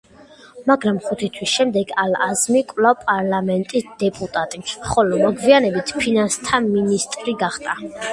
მაგრამ ხუთი თვის შემდეგ ალ-აზმი კვლავ პარლამენტის დეპუტატი, ხოლო მოგვიანებით ფინანსთა მინისტრი გახდა.